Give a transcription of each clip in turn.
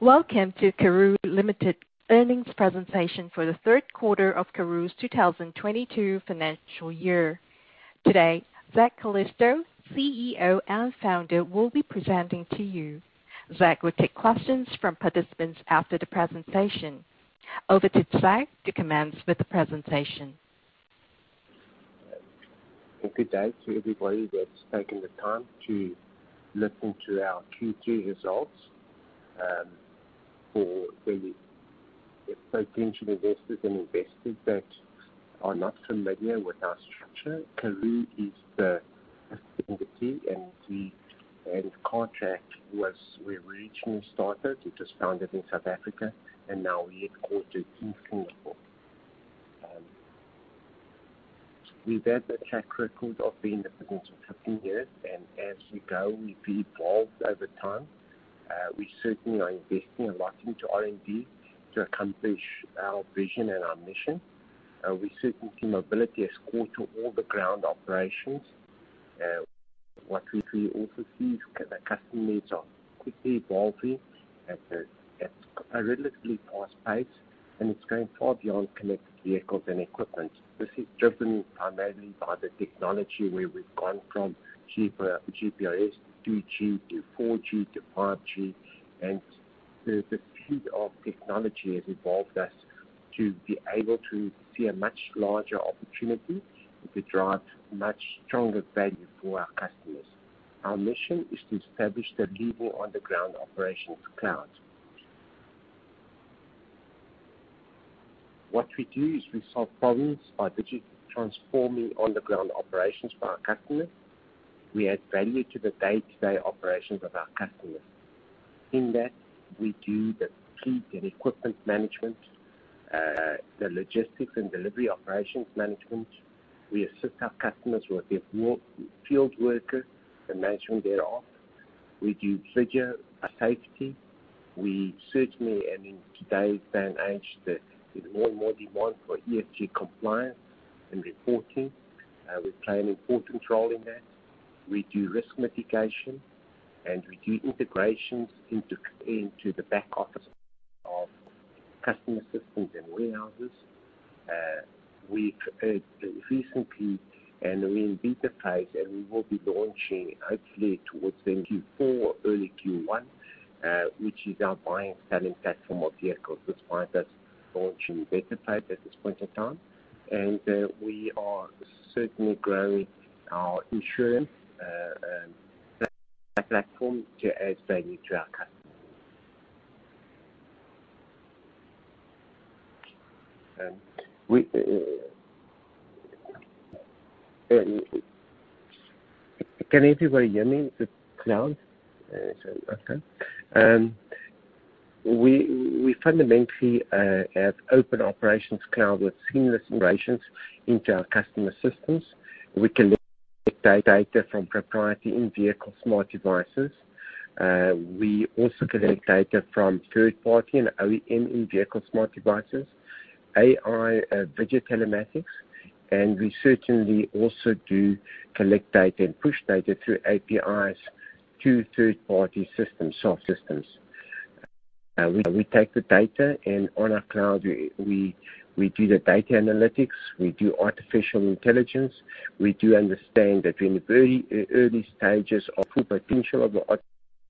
Welcome to Karooooo Limited Earnings presentation for the Third quarter of Karooooo's 2022 Financial Year. Today, Zak Calisto, CEO and Founder, will be presenting to you. Zak will take questions from participants after the presentation. Over to Zak to commence with the presentation. A good day to everybody that's taken the time to listen to our Q3 results. For the potential investors and investors that are not familiar with our structure, Karooooo is the entity, and Cartrack was where we originally started. It was founded in South Africa and now we are headquartered in Singapore. We've had the track record of being in the business for 15 years, and as we go, we've evolved over time. We certainly are investing a lot into R&D to accomplish our vision and our mission. We certainly see mobility as core to all the ground operations. What we also see is the customer needs are quickly evolving at a relatively fast pace and it's going far beyond connected vehicles and equipment. This is driven primarily by the technology where we've gone from GPRS to 2G to 4G to 5G. The speed of technology has evolved us to be able to see a much larger opportunity to drive much stronger value for our customers. Our mission is to establish the leading on-the-ground operations cloud. What we do is we solve problems by digitally transforming on-the-ground operations for our customers. We add value to the day-to-day operations of our customers. In that, we do the fleet and equipment management, the logistics, and delivery operations management. We assist our customers with their field workers and managing thereof. We do bigger safety. We certainly, and in today's day and age, there's more and more demand for ESG compliance and reporting. We play an important role in that. We do risk mitigation and we do integrations into the back office of customer systems and warehouses. Recently, we're in beta phase, and we will be launching hopefully towards the end of Q4, early Q1, which is our buying and selling platform of vehicles. That's why that's launching in beta phase at this point in time. We are certainly growing our insurance platform to add value to our customers. Can everybody hear me with cloud? So, okay. We fundamentally have open operations cloud with seamless integrations into our customer systems. We collect data from proprietary in-vehicle smart devices. We also collect data from third-party and OEM in-vehicle smart devices, AI, video telematics, and we certainly also do collect data and push data through APIs to third-party systems, software systems. We take the data and on our cloud, we do the data analytics. We do artificial intelligence. We do understand that we're in the very early stages of full potential of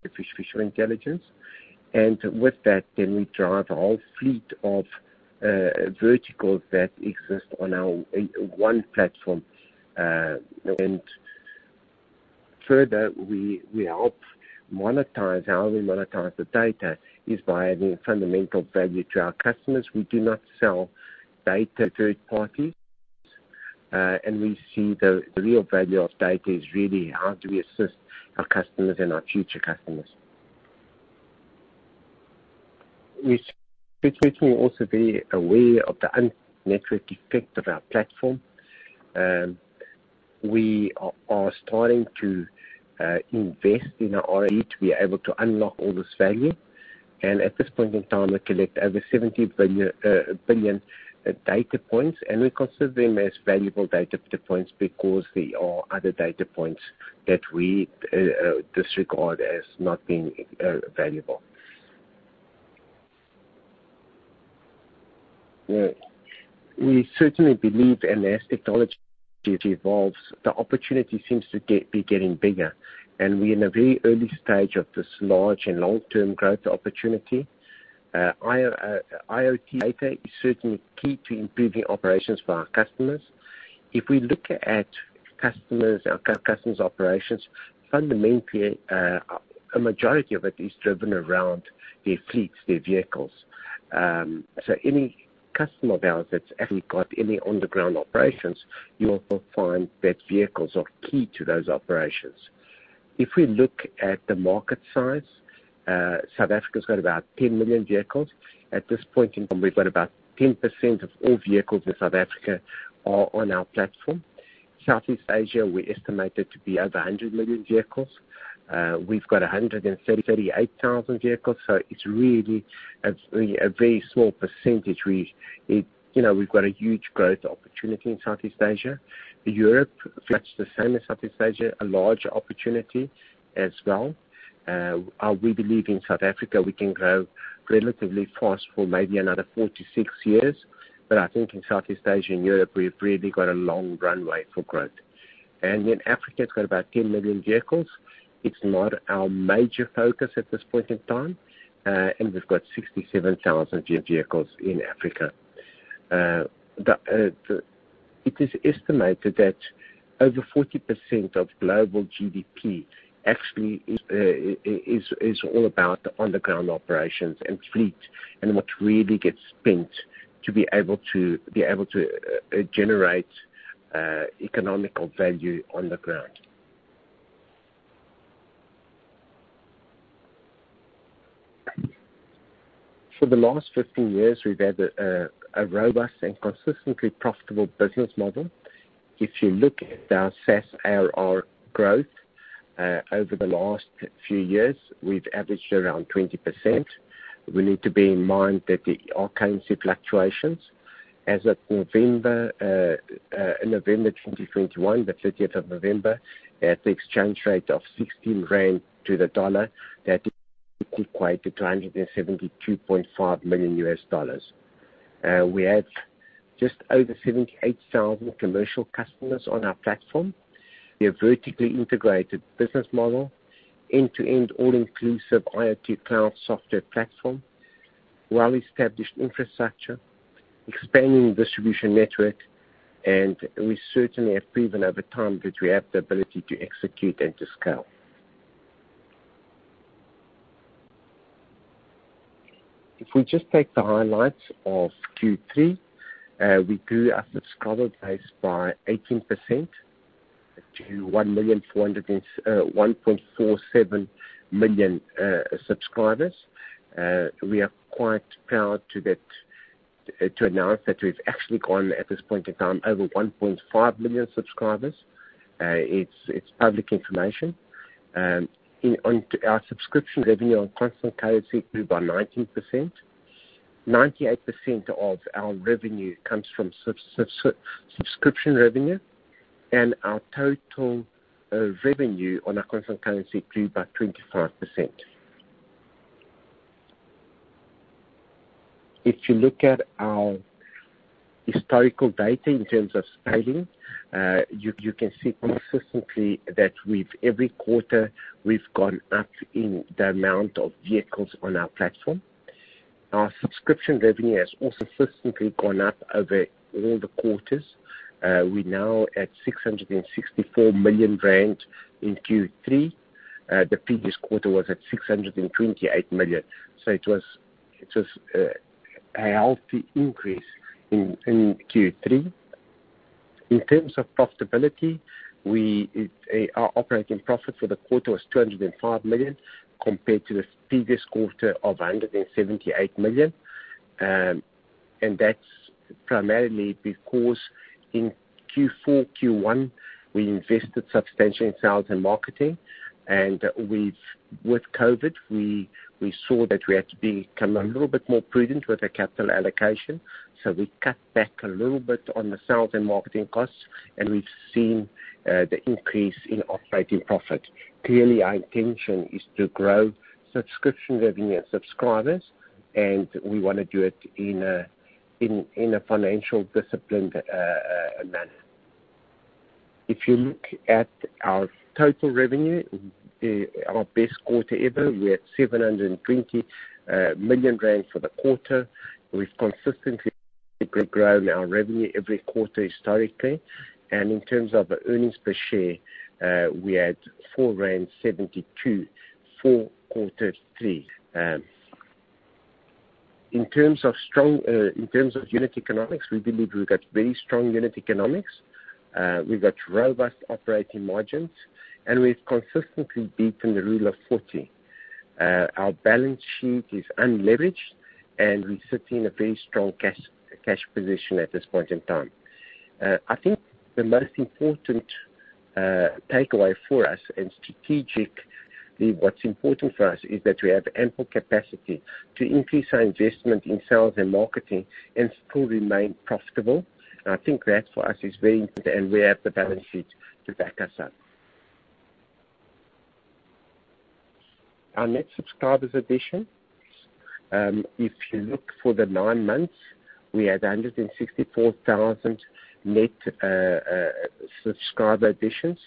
artificial intelligence. With that, we drive a whole fleet of verticals that exist on our one platform. Further, we help monetize. How we monetize the data is by adding fundamental value to our customers. We do not sell data to third parties. We see the real value of data is really how do we assist our customers and our future customers. We're certainly also very aware of the network effect of our platform. We are starting to invest in our R&D to be able to unlock all this value. At this point in time, we collect over 70 billion data points and we consider them as valuable data points because there are other data points that we disregard as not being valuable. We certainly believe, and as technology evolves, the opportunity seems to be get bigger and bigger, and we innovate early stage of this large and long-term growth opportunity. IoT data is certainly key to improving operations for our customers. If we look at our customers' operations, fundamentally, a majority of it is driven around their fleets, their vehicles. So any customer of ours that's actually got any on-the-ground operations, you will find that vehicles are key to those operations. If we look at the market size, South Africa's got about 10 million vehicles. At this point in time, we've got about 10% of all vehicles in South Africa on our platform. Southeast Asia, we estimate it to be over 100 million vehicles. We've got 138,000 vehicles so it's really a very small percentage. We've got a huge growth opportunity in Southeast Asia. Europe, much the same as Southeast Asia, a large opportunity as well. We believe in South Africa, we can grow relatively fast for maybe another four years to six years. But I think in Southeast Asia and Europe, we've really got a long runway for growth. Africa's got about 10 million vehicles. It's not our major focus at this point in time and we've got 67,000 vehicles in Africa. It is estimated that over 40% of global GDP actually is all about on-the-ground operations and fleet and what really gets spent to be able to generate economical value on the ground. For the last 15 years, we've had a robust and consistently profitable business model. If you look at our SaaS ARR growth over the last few years, we've averaged around 20%. We need to bear in mind that our currency fluctuations. As at November 2021, the30th of November, at the exchange rate of 16 rand to the dollar, that equated to $72.5 million. We have just over 78,000 commercial customers on our platform. We have vertically integrated business model, end-to-end, all-inclusive IoT cloud software platform, well-established infrastructure, expanding distribution network, and we certainly have proven over time that we have the ability to execute and to scale. If we just take the highlights of Q3, we grew our subscriber base by 18% to 1.47 million subscribers. We are quite proud to announce that we've actually gone, at this point in time, over 1.5 million subscribers. It's public information. On our subscription revenue on constant currency grew by 19%. 98% of our revenue comes from subscription revenue and our total revenue on a constant currency grew by 25%. If you look at our historical data in terms of scaling, you can see consistently that with every quarter, we've gone up in the amount of vehicles on our platform. Our subscription revenue has also consistently gone up over all the quarters. We're now at 664 million rand in Q3. The previous quarter was at 628 million. It was a healthy increase in Q3. In terms of profitability, our operating profit for the quarter was 205 million compared to the previous quarter of 178 million. That's primarily because in Q4, Q1, we invested substantially in sales and marketing. With COVID, we saw that we had to become a little bit more prudent with our capital allocation. We cut back a little bit on the sales and marketing costs and we've seen the increase in operating profit. Clearly, our intention is to grow subscription revenue and subscribers and we want to do it in a financially disciplined manner. If you look at our total revenue, our best quarter ever, we're at 720 million rand for the quarter. We've consistently grown our revenue every quarter historically. In terms of earnings per share, we had 4.72 rand for quarter three. In terms of unit economics, we believe we've got very strong unit economics. We've got robust operating margins and we've consistently beaten the rule of 40. Our balance sheet is unleveraged and we sit in a very strong cash position at this point in time. I think the most important takeaway for us and strategically what's important for us is that we have ample capacity to increase our investment in sales and marketing and still remain profitable. I think that, for us, is very important, and we have the balance sheet to back us up. Our net subscriber additions, if you look for the nine months, we had 164,000 net subscriber additions,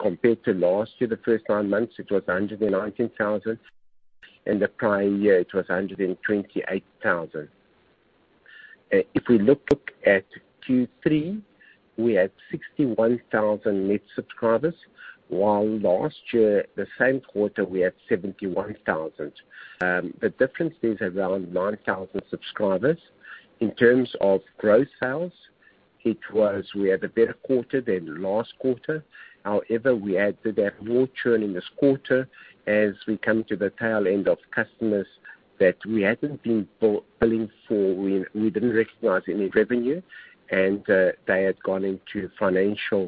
compared to last year, the first nine months, it was 119,000. In the prior year, it was 128,000. If we look at Q3, we had 61,000 net subscribers. While last year, the same quarter, we had 71,000. The difference is around 9,000 subscribers. In terms of growth sales, we had a better quarter than last quarter. However, we had to have more churn in this quarter as we come to the tail end of customers that we hadn't been billing for. We didn't recognize any revenue and they had gone into financial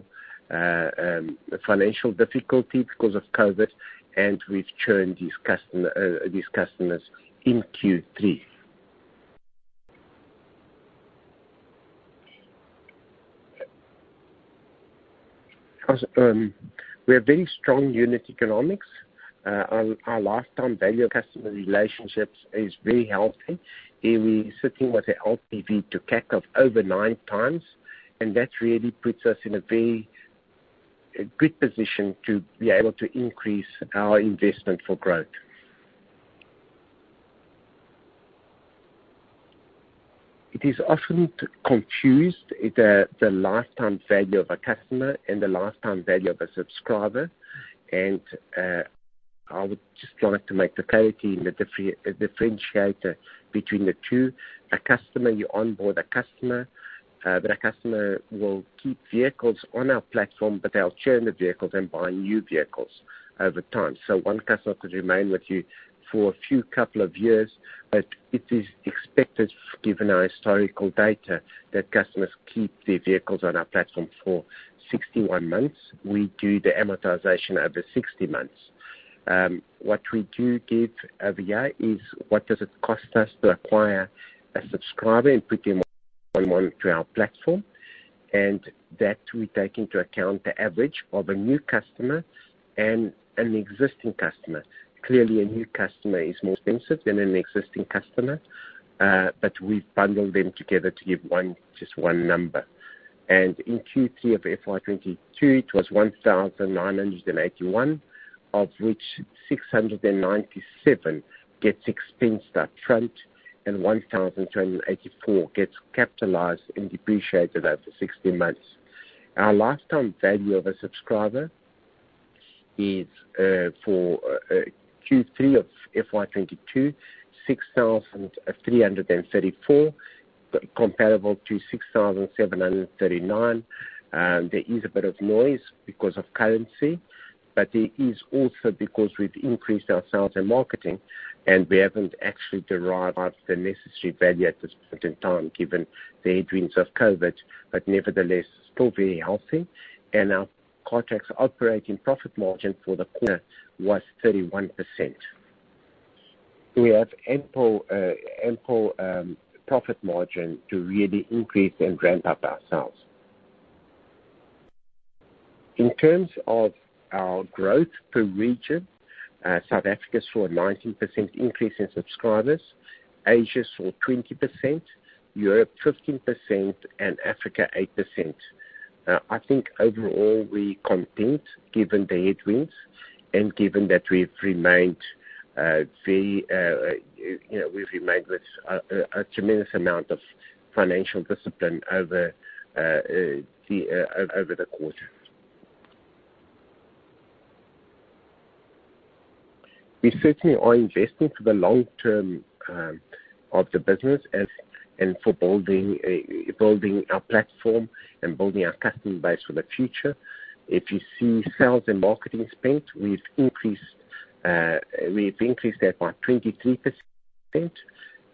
difficulty because of COVID and we've churned these customers in Q3. We have very strong unit economics. Our lifetime value of customer relationships is very healthy. Here, we're sitting with a LTV to CAC of over 9x, and that really puts us in a very good position to be able to increase our investment for growth. It is often confused, the lifetime value of a customer and the lifetime value of a subscriber. I would just like to make the clarity in the differentiator between the two. A customer, you onboard a customer, but a customer will keep vehicles on our platform, but they'll churn the vehicles and buy new vehicles over time. One customer could remain with you for a few couple of years, but it is expected, given our historical data, that customers keep their vehicles on our platform for 61 months. We do the amortization over 60 months. What we do give every year is what does it cost us to acquire a subscriber, and put them onto our platform, and that we take into account the average of a new customer and an existing customer. Clearly, a new customer is more expensive than an existing customer, but we bundled them together to give one, just one number. In Q3 of FY 2022, it was 1,981, of which 697 gets expensed up front, and 1,284 gets capitalized and depreciated over 60 months. Our lifetime value of a subscriber is for Q3 of FY 2022, 6,334 comparable to 6,739. There is a bit of noise because of currency, but it is also because we've increased our sales and marketing, and we haven't actually derived the necessary value at this point in time given the headwinds of COVID, but nevertheless, still very healthy. Our Cartrack operating profit margin for the quarter was 31%. We have ample profit margin to really increase and ramp up our sales. In terms of our growth per region, South Africa saw a 19% increase in subscribers, Asia saw 20%, Europe 15%, and Africa 8%. I think overall we're content given the headwinds and given that we've remained very, you know, with a tremendous amount of financial discipline over the quarter. We certainly are investing for the long term of the business, and evolving our platform, and building our customer base for the future. If you see sales and marketing spend, we have increased that by 23%.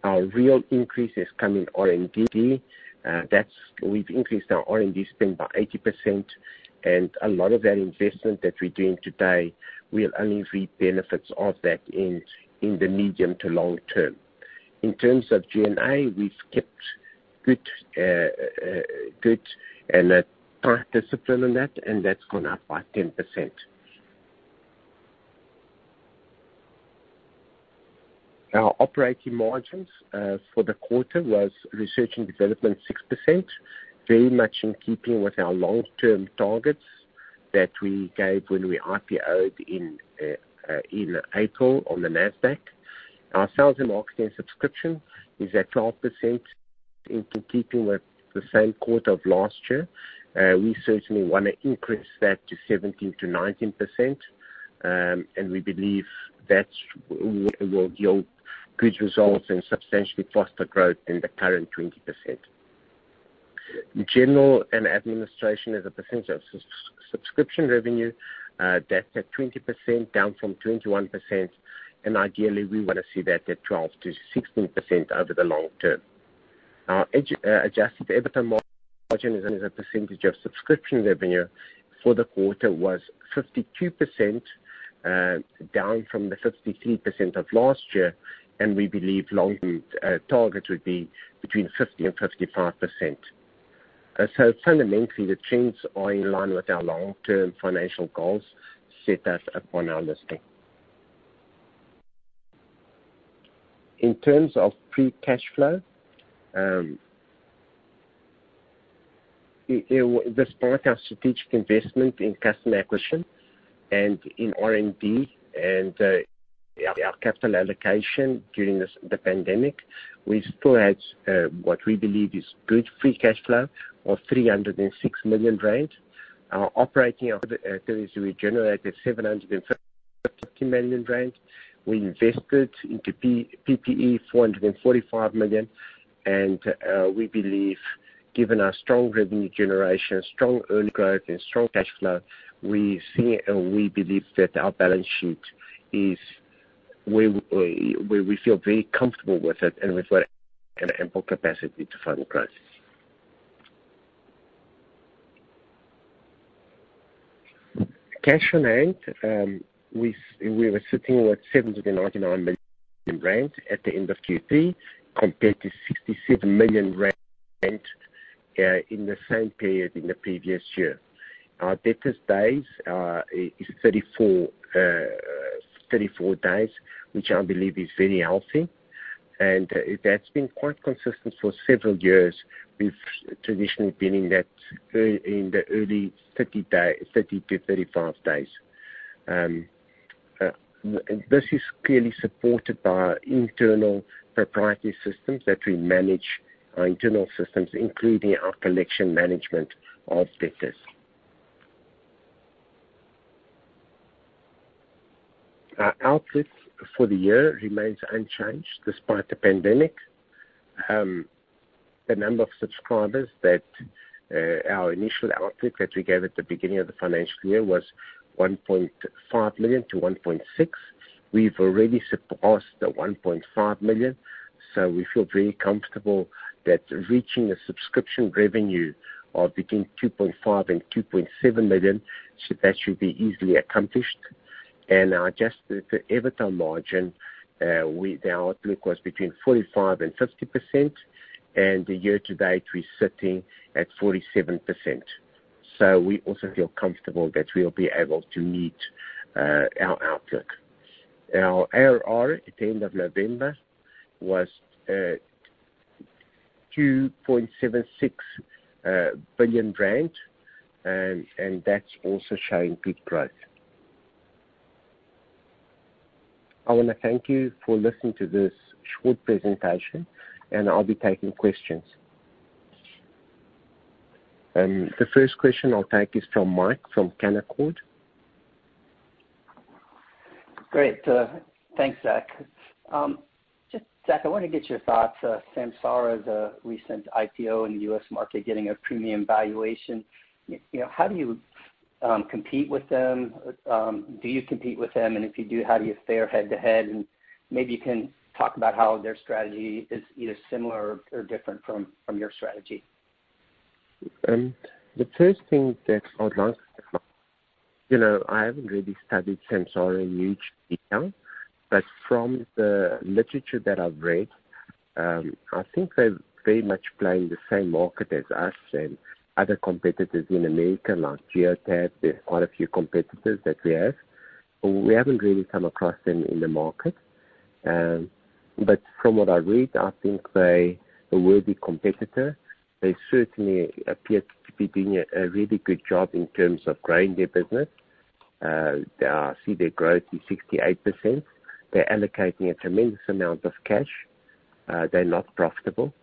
Our real increase is coming R&D. We've increased our R&D spend by 80%. A lot of that investment that we're doing today, we'll only reap benefits of that in the medium to long term. In terms of G&A, we've kept good and a tight discipline on that and that's gone up by 10%. Our operating margins for the quarter was research and development, 6%, very much in keeping with our long-term targets that we gave when we IPO'd in April on the Nasdaq. Our sales and marketing subscription is at 12% in keeping with the same quarter of last year. We certainly want to increase that to 17% to 19%, and we believe that will yield good results, and substantially foster growth in the current 20%. General and administrative as a percentage of subscription revenue, that's at 20%, down from 21%, and ideally, we want to see that at 12% to 16% over the long term. Our adjusted EBITDA margin as a percentage of subscription revenue for the quarter was 52% down from the 53% of last year, and we believe long-term targets would be between 50% and 55%. Fundamentally, the trends are in line with our long-term financial goals set up upon our listing. In terms of free cash flow, despite our strategic investment in customer acquisition and in R&D and our capital allocation during the pandemic, we still had what we believe is good free cash flow of 306 million rand range. Our operating activities, we generated 750 million rand range. We invested into PPE 445 million. We believe, given our strong revenue generation, a strong earnings growth, and strong cash flow, we believe that our balance sheet is where we feel very comfortable with it, and we've got an ample capacity to fund growth. Cash on hand, we were sitting with 799 million rand at the end of Q3, compared to 67 million rand in the same period in the previous year. Our debtors days is 34 days, which I believe is very healthy. That's been quite consistent for several years. We've traditionally been in the early 30 days to 35 days. This is clearly supported by internal proprietary systems that we manage our internal systems including our collection management of debtors. Our outlook for the year remains unchanged despite the pandemic. The number of subscribers that our initial outlook that we gave at the beginning of the financial year was 1.5 million to 1.6 million. We've already surpassed the 1.5 million, so we feel very comfortable that reaching a subscription revenue of between 2.5 million and 2.7 million so that should be easily accomplished. Our adjusted EBITDA margin, the outlook was between 45% and 50%, and the year-to-date we're sitting at 47%. We also feel comfortable that we'll be able to meet our outlook. Our ARR at the end of November was 2.76 billion rand and that's also showing good growth. I want to thank you for listening to this short presentation and I'll be taking questions. The first question I'll take is from Mark from Canaccord. Great. Thanks, Zak. Zak, I want to get your thoughts. Samsara is a recent IPO in the U.S. market getting a premium valuation. How do you compete with them? Do you compete with them? If you do, how do you fare head-to-head? Maybe you can talk about how their strategy is either similar or different from your strategy. The first thing that I would like to say, you know, I haven't really studied Samsara in huge detail, but from the literature that I've read, I think they're very much playing the same market as us and other competitors in America like Geotab. There's quite a few competitors that we have. We haven't really come across them in the market. From what I read, I think they're a worthy competitor. They certainly appear to be doing a really good job in terms of growing their business. I see their growth is 68%. They're allocating a tremendous amount of cash. They're not profitable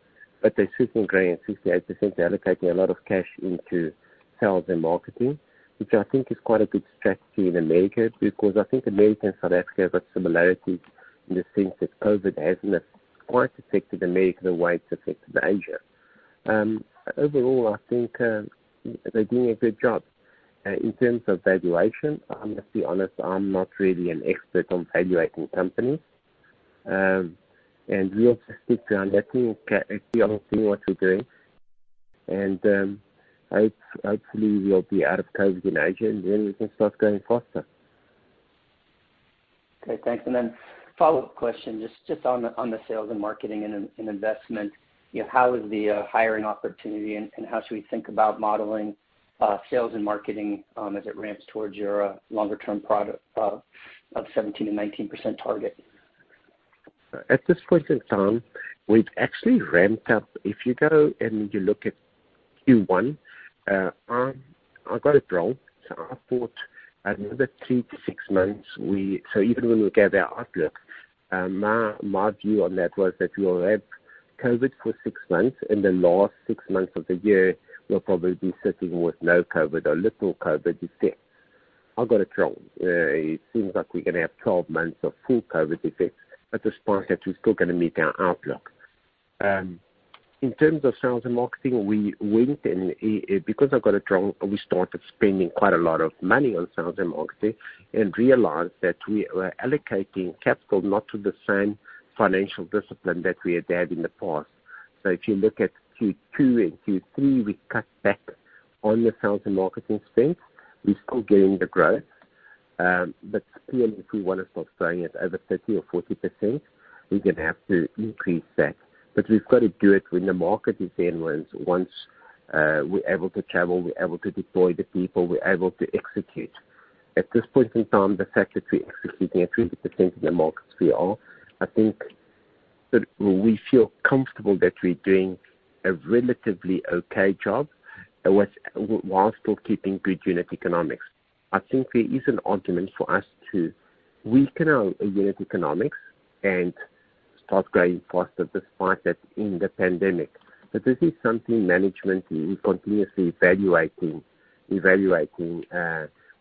but they're certainly growing at 68%. They're allocating a lot of cash into sales and marketing, which I think is quite a good strategy in America because I think America and South Africa have got similarities in the sense that COVID hasn't quite affected America the way it's affected Asia. Overall, I think, they're doing a good job. In terms of valuation, I'm going to be honest, I'm not really an expert on valuating companies. We'll just stick around, actually, I'll see what they're doing, and hopefully, we'll be out of COVID in Asia, and then we can start growing faster. Okay. Thanks. Follow-up question, just on the sales and marketing and in investment. How is the hiring opportunity and how should we think about modeling sales and marketing as it ramps towards your longer term product of 17% to 19% target? At this point in time, we've actually ramped up. If you go and you look at Q1, I got it wrong. I thought another three months to six months. Even when we gave our outlook, my view on that was that we will have COVID for six months. Then in the last six months of the year, we'll probably be sitting with no COVID or little COVID effects. I got it wrong. It seems like we're going to have 12 months of full COVID effects, but despite that, we're still going to meet our outlook. In terms of sales and marketing, we went and because I got it wrong, we started spending quite a lot of money on sales and marketing, and realized that we were allocating capital not to the same financial discipline that we had had in the past. If you look at Q2 and Q3, we cut back on the sales and marketing spend. We're still getting the growth. Clearly, if we want to start growing at over 30% or 40%, we're going to have to increase that. We've got to do it when the market is tailwinds, once we're able to travel, we're able to deploy the people, we're able to execute. At this point in time, the fact that we're executing at 30% in the markets we are, I think that we feel comfortable that we're doing a relatively okay job while still keeping good unit economics. I think there is an argument for us to weaken our unit economics and start growing faster despite that in the pandemic. This is something management is continuously evaluating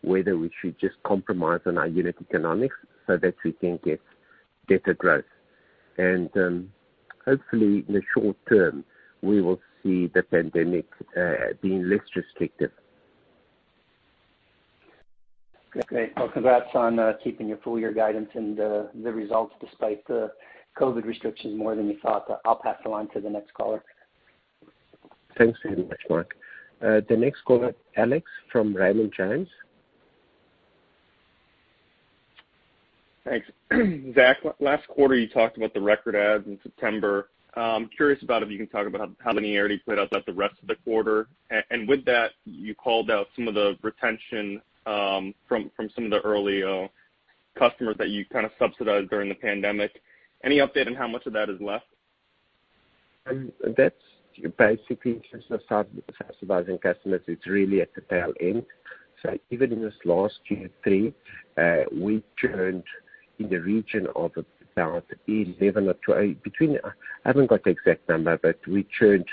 whether we should just compromise on our unit economics so that we can get better growth. Hopefully, in the short term, we will see the pandemic being less restrictive. Okay. Well, congrats on keeping your full year guidance and the results despite the COVID restrictions more than you thought. I'll pass along to the next caller. Thanks very much, Mark. The next caller, Alex from Raymond James. Thanks. Zak. Laast quarter, you talked about the record adds in September. I'm curious about if you can talk about how linearity played out through the rest of the quarter. With that, you called out some of the retention from some of the early customers that you kind of subsidized during the pandemic. Any update on how much of that is left? That's basically since the start of subsidizing customers so it's really at the tail end. Even in this last Q3, we churned in the region of about 11,000 vehicles or 12,000 vehicles. I haven't got the exact number, but we churned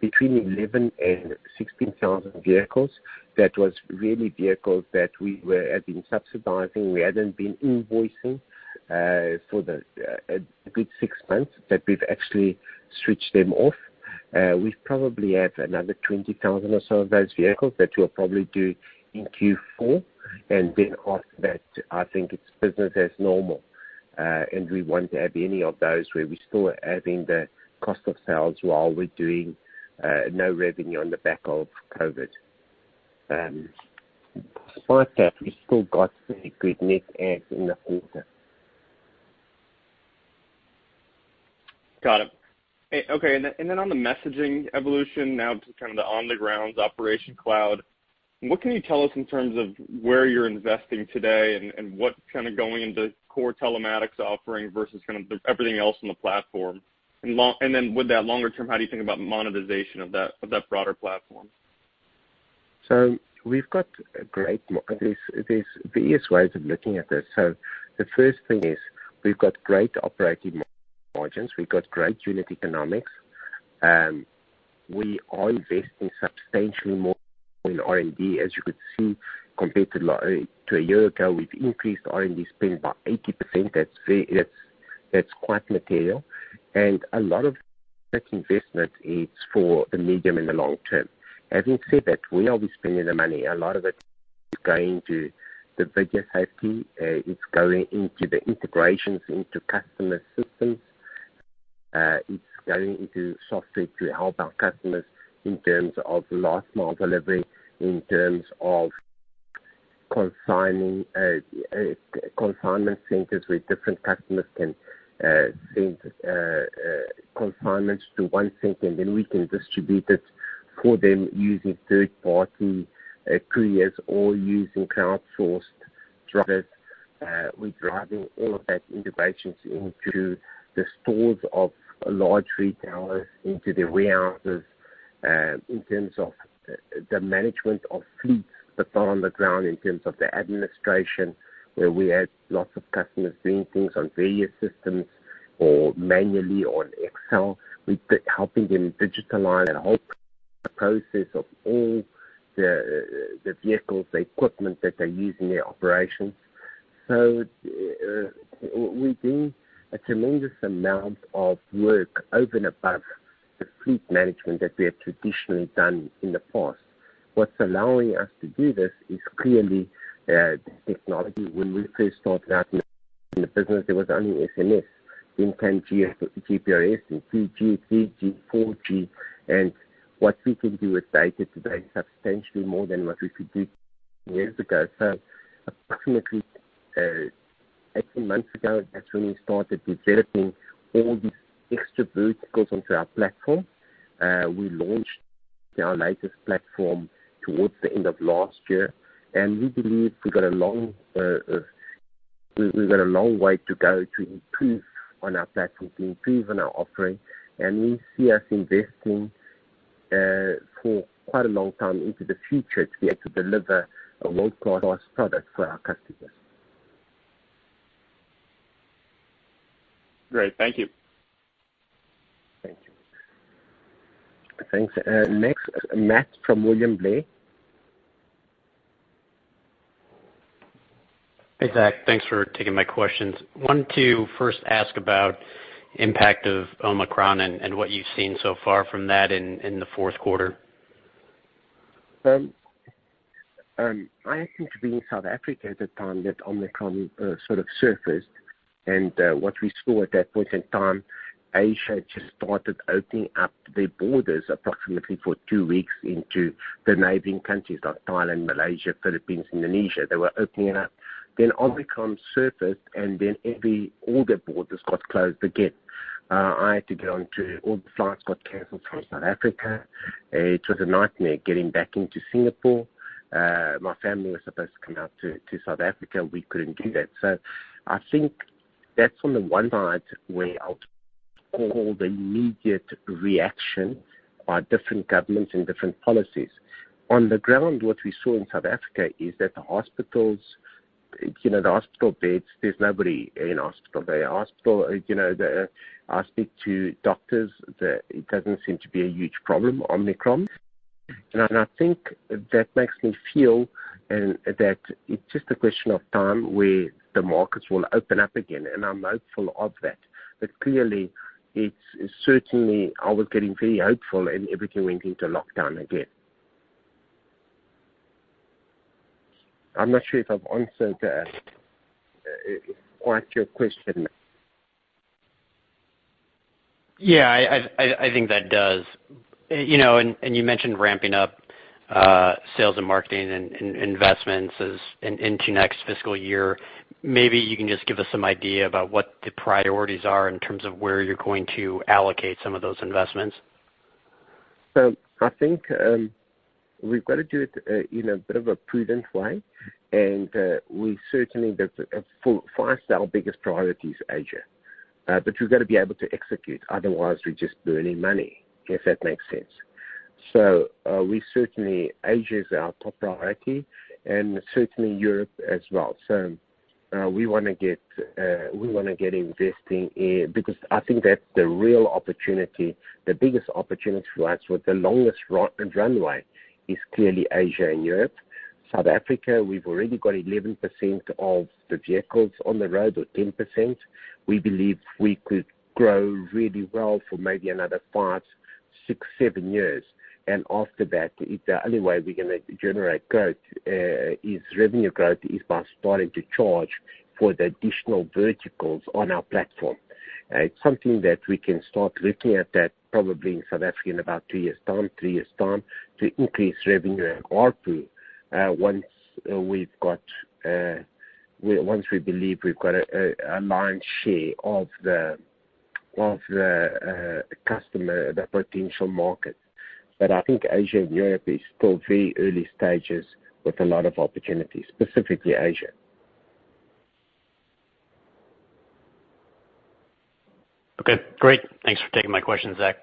between 11,000 and 16,000 vehicles. That was really vehicles that we had been subsidizing. We hadn't been invoicing for a good six months but we've actually switched them off. We probably have another 20,000 or so of those vehicles that we'll probably do in Q4. Then after that, I think it's business as normal. We won't have any of those where we're still having the cost of sales while we're doing no revenue on the back of COVID. Despite that, we still got very good net adds in the quarter. Got it. Okay. On the messaging evolution now to kind of the on-the-ground operations cloud, what can you tell us in terms of where you're investing today and what kind of going into core telematics offering versus kind of the everything else in the platform? With that longer term, how do you think about monetization of that broader platform? There are various ways of looking at this. The first thing is we've got great operating margins. We've got great unit economics. We are investing substantially more in R&D, as you could see, compared to a year ago. We've increased R&D spend by 80%. That's quite material. A lot of that investment is for the medium and the long term. Having said that, where are we spending the money? A lot of it is going to the video safety. It's going into the integrations into customer systems. It's going into software to help our customers in terms of last mile delivery, in terms of consigning, consignment centers where different customers can send consignments to one center, and then we can distribute it for them using third party carriers or using crowd sourced drivers. We're driving all of that innovations into the stores of large retailers, into their warehouses, in terms of the management of fleets that are on the ground, in terms of the administration, where we have lots of customers doing things on various systems or manually or on Excel. We're helping them digitalize that whole process of all the vehicles, the equipment that they use in their operations. We're doing a tremendous amount of work over and above the fleet management that we have traditionally done in the past. What's allowing us to do this is clearly technology. When we first started out in the business, there was only SMS. Then came GPRS and 2G, 3G, 4G, and what we can do with data today is substantially more than what we could do years ago. Approximately 18 months ago, that's when we started developing all these extra verticals onto our platform. We launched our latest platform towards the end of last year, and we believe we've got a long way to go to improve on our platform, to improve on our offering, and we see us investing for quite a long time into the future to be able to deliver a world-class product for our customers. Great. Thank you. Thank you. Thanks. Next, Matt from William Blair. Hey, Zak. Thanks for taking my questions. I wanted to first ask about impact of Omicron and what you've seen so far from that in the fourth quarter. I happened to be in South Africa at the time that Omicron sort of surfaced. What we saw at that point in time, Asia just started opening up their borders approximately for two weeks into the neighboring countries like Thailand, Malaysia, Philippines, Indonesia. They were opening it up. Omicron surfaced and then all the borders got closed again. All the flights got canceled from South Africa. It was a nightmare getting back into Singapore. My family was supposed to come out to South Africa. We couldn't do that. I think that's on the one side where I'll call the immediate reaction by different governments and different policies. On the ground, what we saw in South Africa is that the hospitals, you know, the hospital beds, there's nobody in hospital there. I speak to doctors, that it doesn't seem to be a huge problem, Omicron. I think that makes me feel that it's just a question of time where the markets will open up again and I'm hopeful of that. Clearly, it's certainly, I was getting very hopeful and everything went into lockdown again. I'm not sure if I've answered your question. Yeah, I think that does. You mentioned ramping up sales and marketing and investments as in into next fiscal year. Maybe you can just give us some idea about what the priorities are in terms of where you're going to allocate some of those investments. I think we've got to do it in a bit of a prudent way and, certainly, as far as our biggest priority is Asia. We've got to be able to execute, otherwise we're just burning money, if that makes sense. Asia is our top priority and certainly Europe as well. We want to get investing because I think that's the real opportunity, the biggest opportunity for us with the longest runway is clearly Asia and Europe. South Africa, we've already got 11% of the vehicles on the road or 10%. We believe we could grow really well for maybe another five years, six years, seven years. After that, the only way we're going to generate growth is revenue growth by starting to charge for the additional verticals on our platform. It's something that we can start looking at that probably in South Africa in about two years' time, three years' time, to increase revenue and ARPU. Once we believe we've got a lion's share of the customer or the potential market. I think Asia and Europe is still very early stages with a lot of opportunities, specifically Asia. Okay, great. Thanks for taking my question, Zak.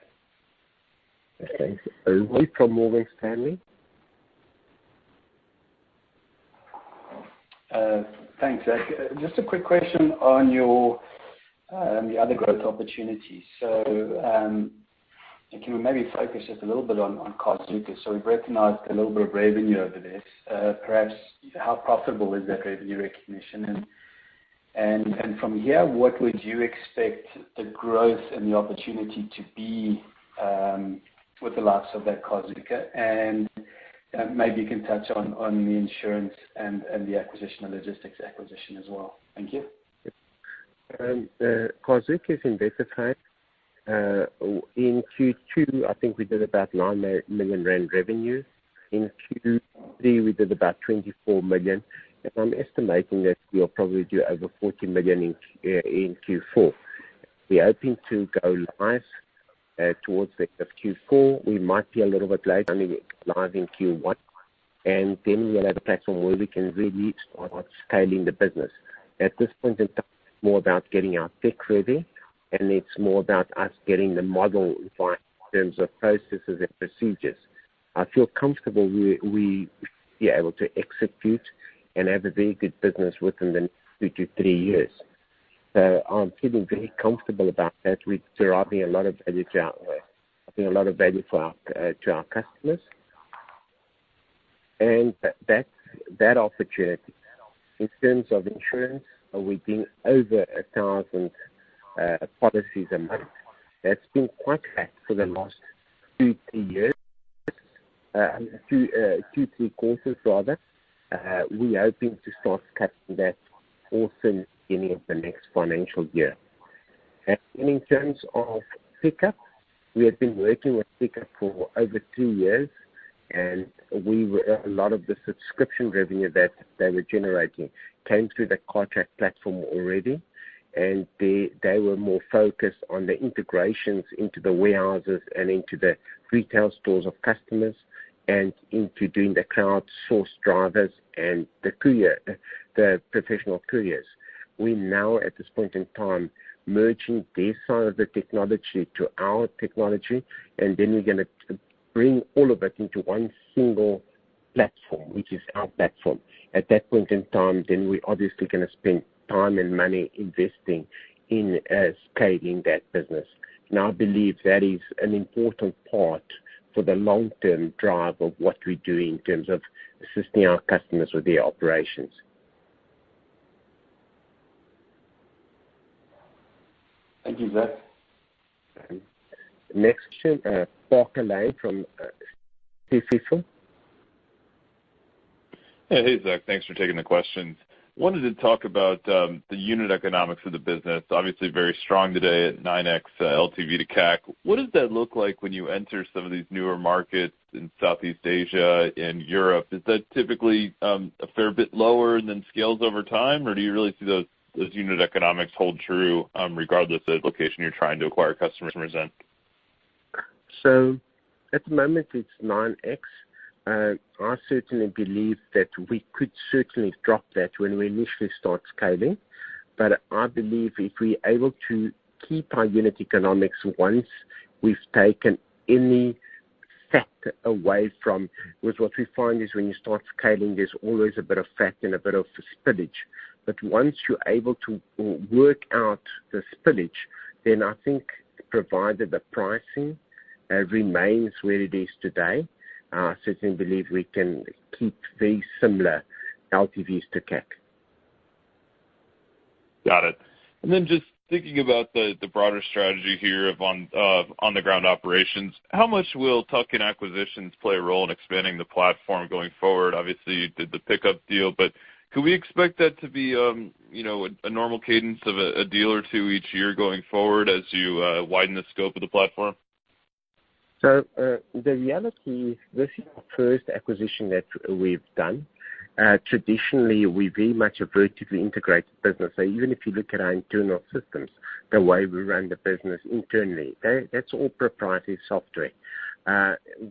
Thanks. Luke from Morgan Stanley. Thanks, Zak. A quick question on your the other growth opportunities. Can we maybe focus just a little bit on Carzuka? We've recognized a little bit of revenue over this. Perhaps how profitable is that revenue recognition? And from here, what would you expect the growth and the opportunity to be with the likes of that Carzuka? Maybe you can touch on the insurance and the logistics acquisition as well. Thank you. The Carzuka is in beta phase. In Q2, I think we did about 9 million rand revenue. In Q3, we did about 24 million. I'm estimating that we'll probably do over 14 million in Q4. We're hoping to go live towards the end of Q4. We might be a little bit late, launching live in Q1, and then we'll have a platform where we can really start scaling the business. At this point in time, it's more about getting our tech ready and it's more about us getting the model right in terms of processes and procedures. I feel comfortable we'll be able to execute and have a very good business within the two years to three years. I'm feeling very comfortable about that. We're deriving a lot of value to our work, a lot of value for our, to our customers and that opportunity. In terms of insurance, we're doing over 1,000 policies a month. That's been quite flat for the last two years to three years, two quarters to three quarters rather. We're hoping to start scaling that also in the beginning of the next financial year. In terms of Picup, we have been working with Picup for over two years, and a lot of the subscription revenue that they were generating came through the Cartrack platform already. They were more focused on the integrations into the warehouses and into the retail stores of customers and into doing the crowdsourced drivers and the professional couriers. We're now, at this point in time, merging their side of the technology to our technology, and then we're going to bring all of it into one single platform, which is our platform. At that point in time, then we're obviously going to spend time and money investing in scaling that business. I believe that is an important part for the long-term drive of what we're doing in terms of assisting our customers with their operations. Thank you, Zak. Next question, Parker Lane from Stifel. Yeah. Hey, Zak, thanks for taking the questions. I wanted to talk about the unit economics of the business. Obviously, very strong today at 9x LTV to CAC. What does that look like when you enter some of these newer markets in Southeast Asia and Europe? Is that typically a fair bit lower and scales over time or do you really see those unit economics hold true regardless of the location you're trying to acquire customers from then? At the moment, it's 9x. I certainly believe that we could certainly drop that when we initially start scaling. I believe if we're able to keep our unit economics once we've taken any fat away from, because what we find is when you start scaling, there's always a bit of fat and a bit of spillage. Once you're able to work out the spillage, then I think provided the pricing remains where it is today, I certainly believe we can keep very similar LTVs to CAC. Got it and then just thinking about the broader strategy here of on-the-ground operations, how much will tuck-in acquisitions play a role in expanding the platform going forward? Obviously, you did the Picup deal, but can we expect that to be, you know, a normal cadence of a deal or two each year going forward as you widen the scope of the platform? The reality is this is our first acquisition that we have done. Traditionally, we're very much a vertically integrated business. Even if you look at our internal systems, the way we run the business internally, that's all proprietary software.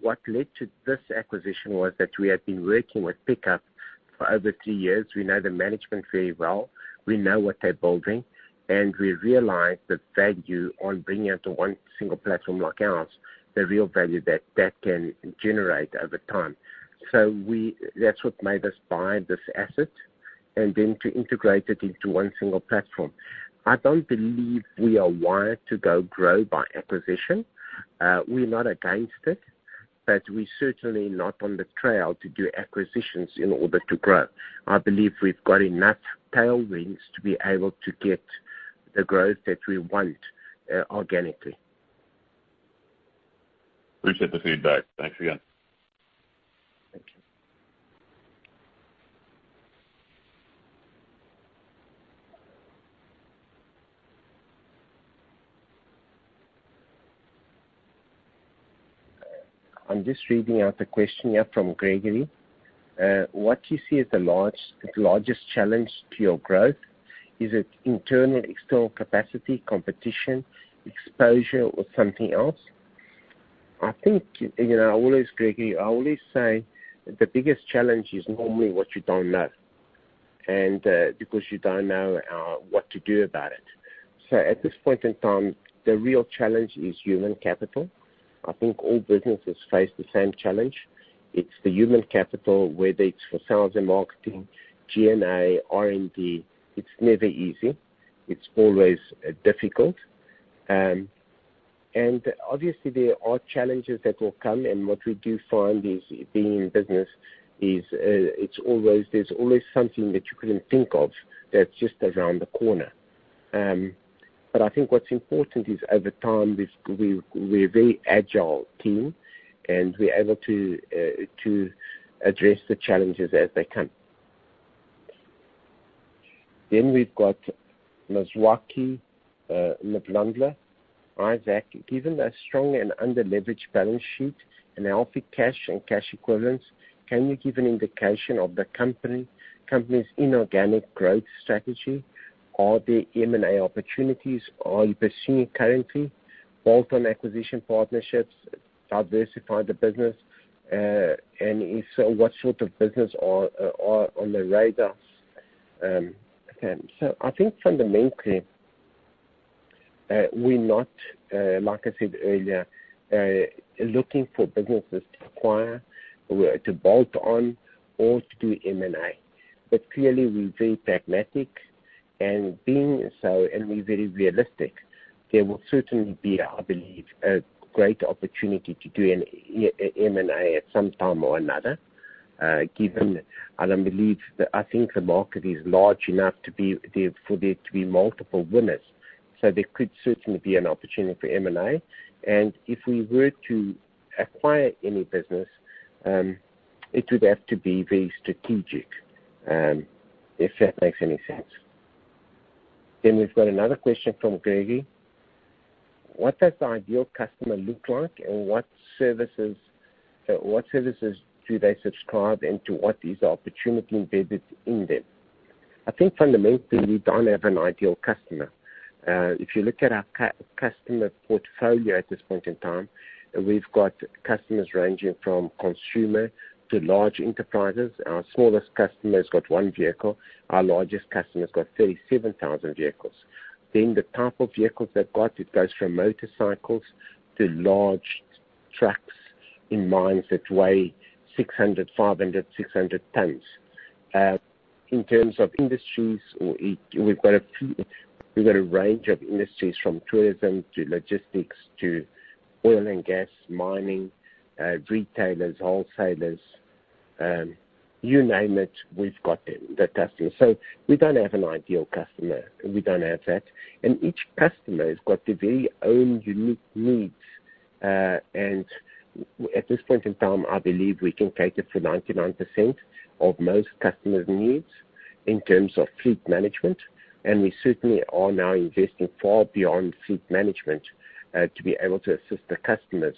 What led to this acquisition was that we had been working with Picup for over three years. We know the management very well. We know what they're building, and we realized the value on bringing it to one single platform like ours, the real value that that can generate over time. That's what made us buy this asset and then to integrate it into one single platform. I don't believe we are wired to go grow by acquisition. We're not against it but we're certainly not on the trail to do acquisitions in order to grow. I believe we've got enough tailwinds to be able to get the growth that we want, organically. Appreciate the feedback. Thanks again. Thank you. I'm just reading out a question here from Gregory. What do you see as the largest challenge to your growth? Is it internal/external capacity, competition, exposure or something else? I think, you know, Gregory, I always say the biggest challenge is normally what you don't know and, because you don't know, what to do about it. At this point in time, the real challenge is human capital. I think all businesses face the same challenge. It's the human capital, whether it's for sales and marketing, G&A, R&D. It's never easy. It's always difficult. Obviously, there are challenges that will come. What we do find is being in business is, there's always something that you couldn't think of that's just around the corner. I think what's important is, over time, we're a very agile team, and we're able to address the challenges as they come. We've got Mwaki Mlondola. Isaac, given the strong and under-leveraged balance sheet and healthy cash and cash equivalents, can you give an indication of the company's inorganic growth strategy? Are there M&A opportunities you are pursuing currently, bolt-on acquisition partnerships to diversify the business? If so, what sort of business are on the radar? I think fundamentally, we're not, like I said earlier, looking for businesses to acquire or to bolt on or do M&A. Clearly we're very pragmatic and being so, and we're very realistic. There will certainly be, I believe, a great opportunity to do an M&A at some time or another, given that I think the market is large enough for there to be multiple winners. There could certainly be an opportunity for M&A. If we were to acquire any business, it would have to be very strategic, if that makes any sense. We've got another question from Gregory. What does the ideal customer look like and what services do they subscribe to and what is the opportunity embedded in them? I think fundamentally we don't have an ideal customer. If you look at our customer portfolio at this point in time, we've got customers ranging from consumer to large enterprises. Our smallest customer has got one vehicle. Our largest customer has got 37,000 vehicles. The type of vehicles they've got, it goes from motorcycles to large trucks in mines that weigh 600 tons, 500 tons, 600 tons. In terms of industries, we've got a range of industries, from tourism to logistics to oil and gas, mining, retailers, wholesalers. You name it, we've got the customer. We don't have an ideal customer. We don't have that. Each customer has got their very own unique needs. At this point in time, I believe we can cater for 99% of most customers' needs in terms of fleet management, and we certainly are now investing far beyond fleet management to be able to assist the customers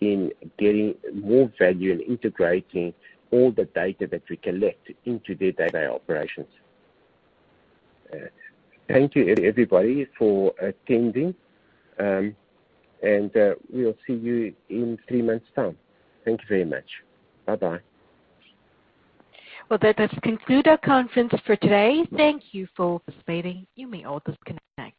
in getting more value, and integrating all the data that we collect into their day-to-day operations. Thank you, everybody, for attending. We'll see you in three months time. Thank you very much. Bye-bye. Well, that does conclude our conference for today. Thank you for participating. You may all disconnect.